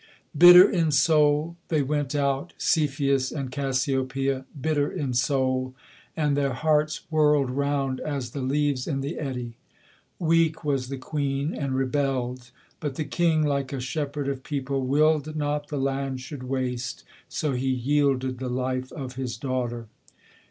Bitter in soul they went out, Cepheus and Cassiopoeia, Bitter in soul; and their hearts whirled round, as the leaves in the eddy. Weak was the queen, and rebelled: but the king, like a shepherd of people, Willed not the land should waste; so he yielded the life of his daughter.